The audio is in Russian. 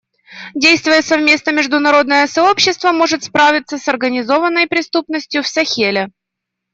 Действуя совместно, международное сообщество может справиться с организованной преступностью в Сахеле.